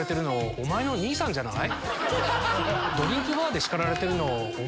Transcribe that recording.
お前の兄さんじゃない？